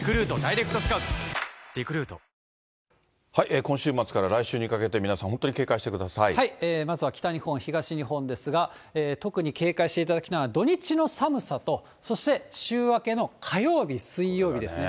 今週末から来週にかけて、皆さん、まずは北日本、東日本ですが、特に警戒していただくのは、土日の寒さと、そして週明けの火曜日、水曜日ですね。